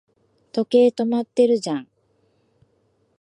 時計、止まってるじゃん